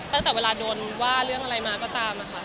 ตั้งแต่เวลาโดนว่าเรื่องอะไรมาก็ตามค่ะ